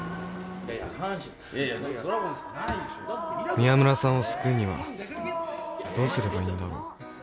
宮村さんを救うにはどうすればいいんだろう？